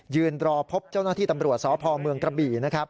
ยืนรอพบเจ้าหน้าที่ตำรวจสพเมืองกระบี่นะครับ